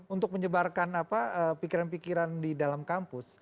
untuk menyebarkan pikiran pikiran di dalam kampus